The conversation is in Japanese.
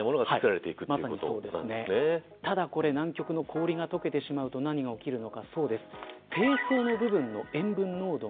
ただこれ、南極の氷が解けてしまうと何が起きるのか。